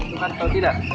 tuhan tahu tidak